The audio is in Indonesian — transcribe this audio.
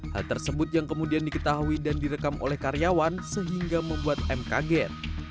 hal tersebut yang kemudian diketahui dan direkam oleh karyawan sehingga membuat m kaget